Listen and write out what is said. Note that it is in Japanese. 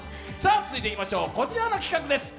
続いて、いきましょうこちらの企画です。